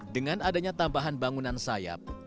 dengan adanya tambahan bangunan sayap